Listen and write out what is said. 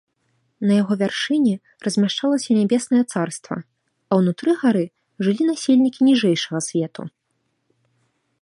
На яго вяршыні размяшчалася нябеснае царства, а ўнутры гары жылі насельнікі ніжэйшага свету.